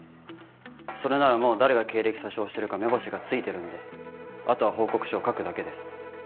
それならもう誰が経歴詐称してるか目星が付いてるんであとは報告書を書くだけです。